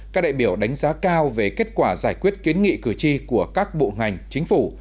các đại biểu đánh giá cao về kết quả giải quyết kiến nghị cử tri của các bộ ngành chính phủ